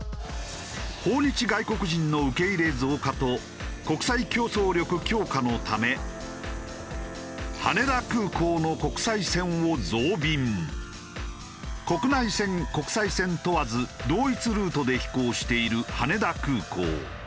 訪日外国人の受け入れ増加と国際競争力強化のため羽田空港の国内線国際線問わず同一ルートで飛行している羽田空港。